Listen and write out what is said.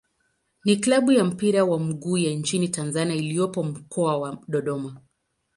ni klabu ya mpira wa miguu ya nchini Tanzania iliyopo Mkoa wa Dodoma.